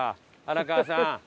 荒川さん。